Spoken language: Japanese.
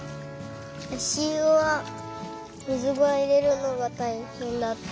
あしゆは水をいれるのがたいへんだった。